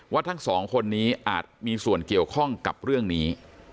ทั้งสองคนนี้อาจมีส่วนเกี่ยวข้องกับเรื่องนี้